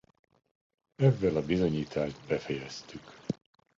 Ezzel a bizonyítást befejeztük.